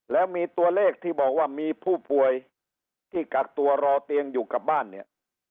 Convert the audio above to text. แล้วมีตัวเลขที่บอกว่ามีผู้ป่วยที่กักตัวรอเตียงอยู่กับบ้านเนี่ย